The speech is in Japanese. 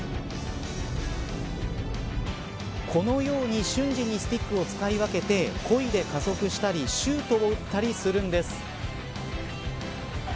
このように瞬時にスティックを使い分けてこいで加速したりシュートを打ったりするんです。